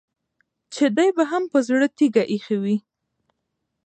چې دې به هم په زړه تيږه اېښې وي.